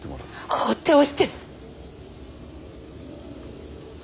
放っておいて！